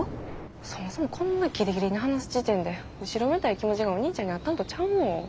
そもそもこんなギリギリに話す時点で後ろめたい気持ちがお兄ちゃんにあったんとちゃうの？